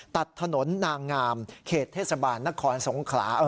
ตัดถนนนางงามเขตเทศบาลนครสงขลา